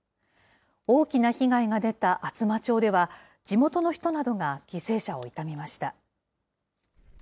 大きな被害が出た厚真町では、地元の人などが犠牲者を悼みました。